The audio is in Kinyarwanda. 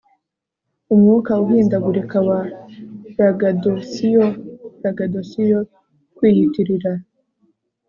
Umwuka uhindagurika wa braggadocio braggadocio kwiyitirira